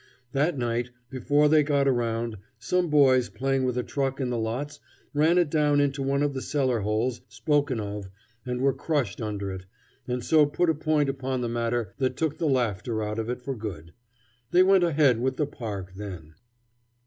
That night, before they got around, some boys playing with a truck in the lots ran it down into one of the cellar holes spoken of and were crushed under it, and so put a point upon the matter that took the laughter out of it for good. They went ahead with the park then.